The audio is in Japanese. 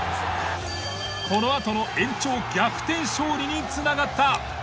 このあとの延長逆転勝利に繋がった。